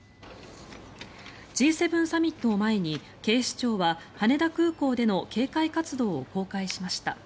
Ｇ７サミットを前に警視庁は羽田空港での警戒活動を公開しました。